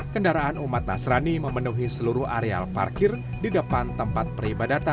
kendaraan umat nasrani memenuhi seluruh areal parkir di depan tempat peribadatan